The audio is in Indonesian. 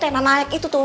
tidak naik itu tuh